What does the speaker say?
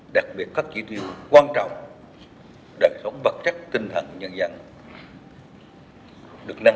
đặc biệt các kỹ tiêu quan trọng để sống bậc trách tinh thần nhân dân